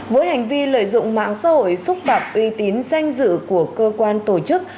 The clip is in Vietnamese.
với hành vi lợi dụng mạng xã hội xúc phạm uy tín danh dự của cơ quan tổ chức